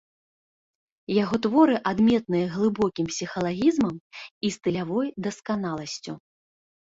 Яго творы адметныя глыбокім псіхалагізмам і стылявой дасканаласцю.